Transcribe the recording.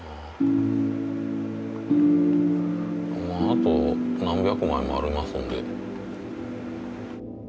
あと何百枚もありますんで。